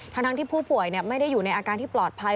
ทั้งที่ผู้ป่วยไม่ได้อยู่ในอาการที่ปลอดภัย